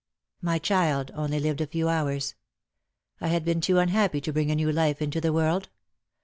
"My child only lived a few hours. I had been too unhappy to bring a new life into the world.